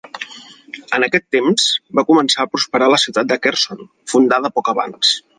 En aquest temps va començar a prosperar la ciutat de Kherson, fundada poc abans.